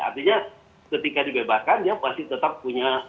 artinya ketika dibebaskan dia pasti tetap punya